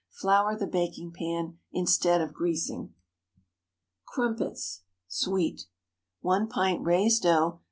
Flour the baking pan instead of greasing. CRUMPETS (Sweet.) 1 pint raised dough.